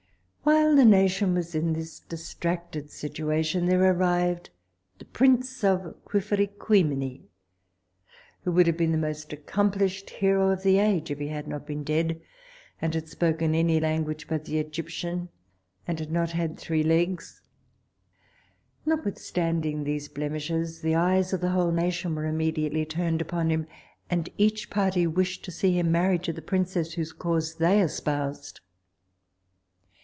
While the nation was in this distracted situation, there arrived the prince of Quifferiquimini, who would have been the most accomplished hero of the age, if he had not been dead, and had spoken any language but the Egyptian, and had not had three legs. Notwithstanding these blemishes, the eyes of the whole nation were immediately turned upon him, and each party wished to see him married to the princess whose cause they espoused.